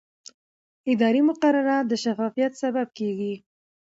اداري مقررات د شفافیت سبب کېږي.